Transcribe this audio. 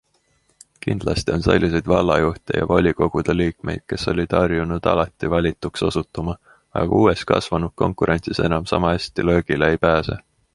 Kindlasti on selliseid vallajuhte ja volikogude liikmeid, kes olid harjunud alati valituks osutuma, aga uues kasvanud konkurentsis enam sama hästi löögile ei pääse.